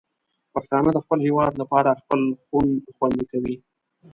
پښتانه د خپل هېواد لپاره خپل خون خوندي کوي.